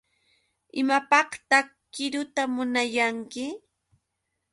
¿Imapaqtaq qiruta munayanki?